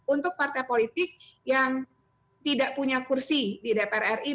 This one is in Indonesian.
untuk partai politik yang tidak punya kursi di dpr ri